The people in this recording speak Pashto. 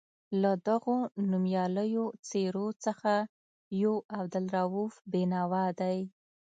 له دغو نومیالیو څېرو څخه یو عبدالرؤف بېنوا دی.